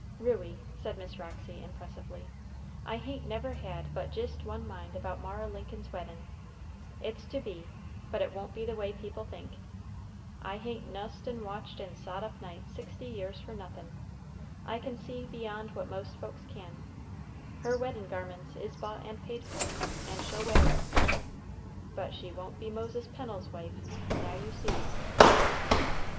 "Ruey," said Miss Roxy impressively, "I hain't never had but jist one mind about Mara Lincoln's weddin', it's to be, but it won't be the way people think. I hain't nussed and watched and sot up nights sixty years for nothin'. I can see beyond what most folks can, her weddin' garments is bought and paid for, and she'll wear 'em, but she won't be Moses Pennel's wife, now you see."